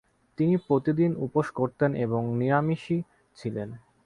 তিনি প্রতিদিন উপোস করতেন এবং নিরামিষাশী ছিলেন।